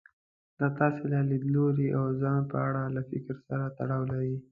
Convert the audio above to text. دا ستاسې له ليدلوري او ځان په اړه له فکر سره تړاو لري.